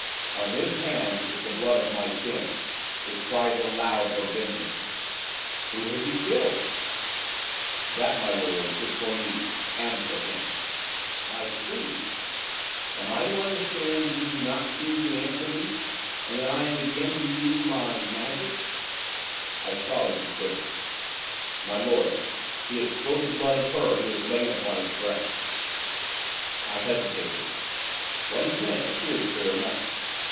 'On his hands is the blood of my kin. It cries aloud for vengeance.' 'Who has he killed?' 'That, my lord, is for me, and for him.' 'I see. Am I to understand that you do not choose to answer me, and that I am again to use my magic?' I saw that he quivered. 'My lord, he has spilled the blood of her who has lain upon his breast.' I hesitated. What he meant appeared clear enough.